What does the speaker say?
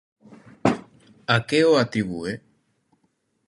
A que o atribúe?